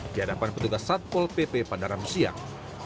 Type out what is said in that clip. di hadapan petugas satpol pp pandaram siang